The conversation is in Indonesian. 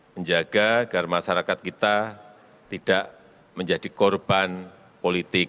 menjaga agar masyarakat kita tidak menjadi korban politik